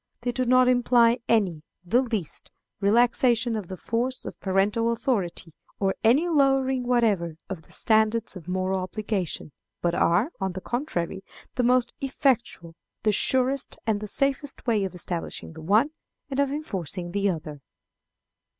They do not imply any, the least, relaxation of the force of parental authority, or any lowering whatever of the standards of moral obligation, but are, on the contrary, the most effectual, the surest and the safest way of establishing the one and of enforcing the other.